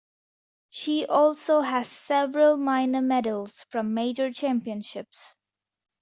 She also has several minor medals from major championships.